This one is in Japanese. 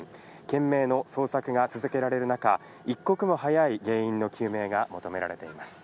懸命の捜索が続けられる中、一刻も早い原因の究明が求められています。